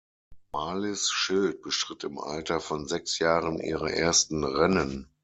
Marlies Schild bestritt im Alter von sechs Jahren ihre ersten Rennen.